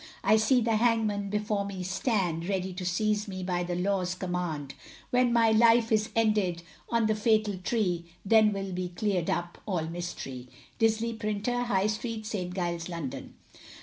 I see the hangman before me stand, Ready to seize me by the law's command, When my life is ended on the fatal tree, Then will be clear'd up all mystery. Disley, Printer, High street, St. Giles, London.